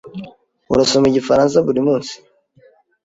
Urasoma igifaransa buri munsi?